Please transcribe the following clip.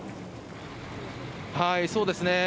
そうですね。